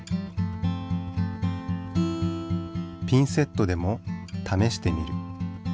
ピンセットでも試してみる。